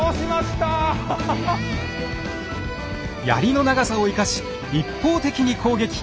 槍の長さを生かし一方的に攻撃。